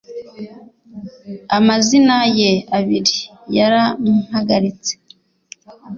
amazina ye abiri yarampagaritse